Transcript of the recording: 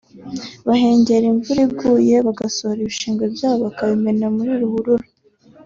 bahengera imvura iguye bagasohora ibishingwe byabo bakabimena muri ruhurura